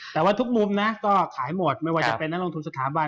แต่ว่าทุกมุมนะก็ขายหมดไม่ว่าจะเป็นนักลงทุนสถาบัน